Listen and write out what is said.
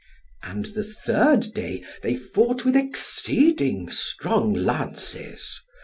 And the third day they fought with exceeding strong lances.